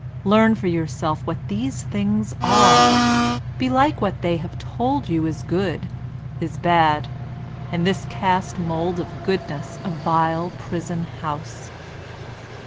Learn for yourself what these things are. Belike what they have told you is good, is bad; and this cast mould of goodness, a vile prison house.